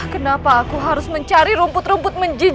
kenapa kau menjadi seperti ini